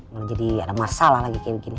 malah jadi ada masalah lagi kayak begini